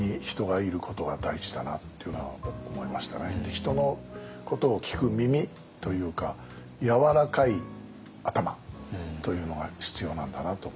人のことを聞く耳というかやわらかい頭というのが必要なんだなと思いました。